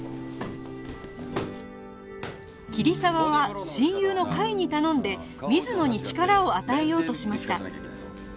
桐沢は親友の甲斐に頼んで水野に力を与えようとしました